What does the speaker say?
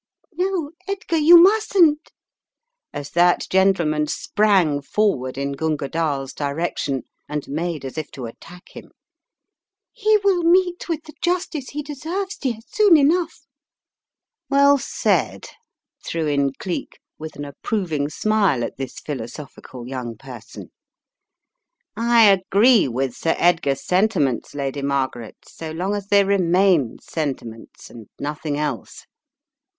... No, Edgar, you mustn't," as that gentle man sprang forward in Gunga DalFs direction and made as if to attack him; "he will meet with the justice he deserves, dear, soon enough. 3 »» Untwisting the Threads 275 "Well said," threw in Cleek with an approving smile at this philosophical young person, "I agree with Sir Edgar's sentiments, Lady Margaret, so long as they remain sentiments and nothing else.